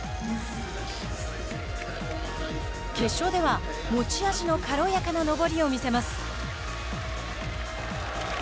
決勝では、持ち味の軽やかな登りを見せます。